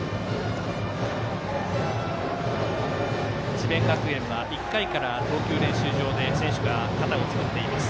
智弁学園は１回から投球練習場で選手が肩を作っています。